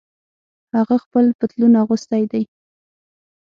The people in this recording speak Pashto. هغه خپل پتلون اغوستۍ دي